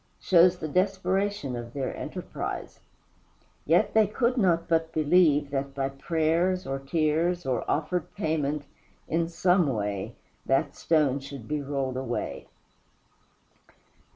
shows the desperation of their enterprise. Yet they could not but believe that by prayers or tears or offered payment in some way that stone should be rolled away.